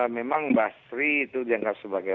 memang basri itu dianggap sebagai